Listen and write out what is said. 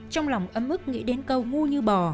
trong lòng ấm ức nghĩ đến câu ngu như bò